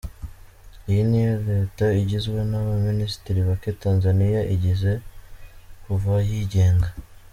Iyi niyo leta igizwe n’abaminisitiri bake Tanzania igize kuva yigenga.